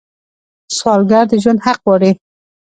سوالګر د ژوند حق غواړي